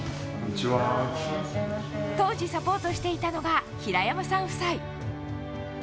当時、サポートしていたのが平山さん夫妻。